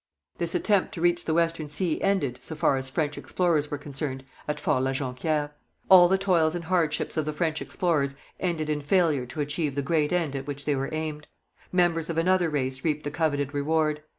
This attempt to reach the Western Sea ended, so far as French explorers were concerned, at Fort La Jonquière. All the toils and hardships of the French explorers ended in failure to achieve the great end at which they aimed. Members of another race reaped the coveted reward.